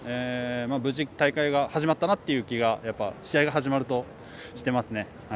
無事、大会が始まったなという気がやっぱり試合が始まるとしていますね。